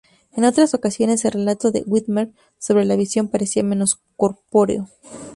En otras ocasiones el relato de Whitmer sobre la visión parecía menos corpóreo.